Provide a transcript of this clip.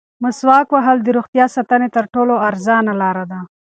مسواک وهل د روغتیا ساتنې تر ټولو ارزانه لاره ده.